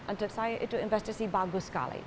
menurut saya itu investasi bagus sekali